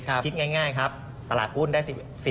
คิดง่ายครับตลาดหุ้นได้